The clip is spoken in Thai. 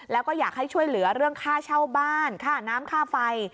แล้วก็อยากให้ช่วยเหลือเรื่องค่าเช่าบ้านค่าน้ำค่าไฟ